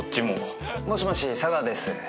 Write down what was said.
もしもし佐川です。